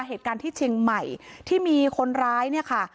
เหตุการณ์ที่เชียงใหม่ที่มีคนร้ายเนี่ยค่ะ